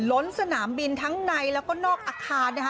ล้นสนามบินทั้งในแล้วก็นอกอาคารนะคะ